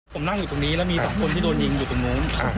ผมนั่งอยู่ตรงนี้แล้วมี๒คนที่โดนยิงอยู่ตรงนู้น